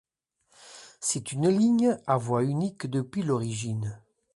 C'est une ligne à voie unique depuis l'origine.